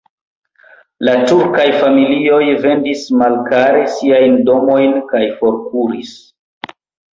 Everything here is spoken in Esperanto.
La turkaj familioj vendis malkare siajn domojn kaj forkuris.